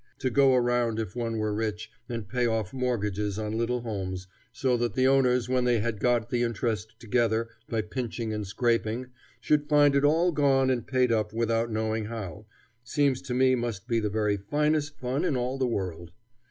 To go around, if one were rich, and pay off mortgages on little homes, so that the owners when they had got the interest together by pinching and scraping should find it all gone and paid up without knowing how, seems to me must be the very finest fun in all the world.